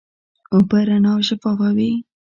اوبه رڼا او شفافه وي.